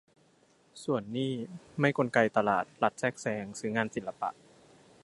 ส่วนนี่ไม่กลไกตลาด รัฐแทรกแซง ซื้องานศิลปะ